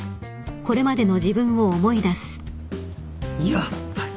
やっぱり。